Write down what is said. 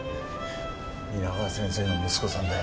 皆川先生の息子さんだよ。